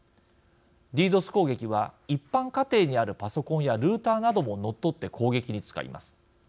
攻撃は一般家庭にあるパソコンやルーターなども乗っ取って攻撃に使います。